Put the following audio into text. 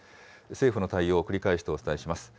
政府の対応、繰り返してお伝えします。